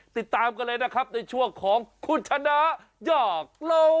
ติดตามกันเลยนะครับในช่วงของคุณชนะอยากเล่า